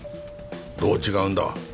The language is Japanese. どう違うんだ？